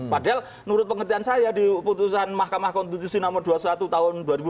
padahal menurut pengertian saya di putusan mahkamah konstitusi nomor dua puluh satu tahun dua ribu empat belas